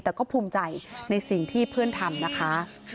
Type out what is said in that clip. แต่ก็ภูมิใจในสิ่งที่เพื่อนทำนะคะ